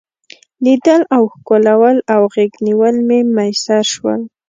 لیدل او ښکلول او غیږ نیول مې میسر شول.